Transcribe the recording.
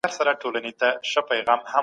سرمایه داري د پانګوالو ملاتړ کوي.